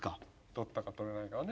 取ったか取らないかはね。